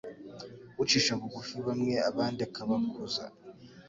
ucisha bugufi bamwe abandi akabakuza